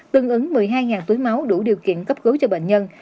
tương ứng một mươi hai túi máu đủ điều kiện cấp cứu cho bệnh nhân